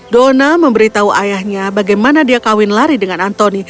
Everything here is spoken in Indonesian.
donna memberitahu ayahnya bagaimana dia kawin lari dengan anthony